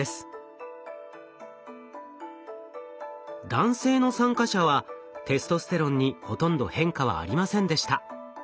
男性の参加者はテストステロンにほとんど変化はありませんでした。